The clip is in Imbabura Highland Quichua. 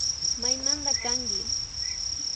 Maymanta kanki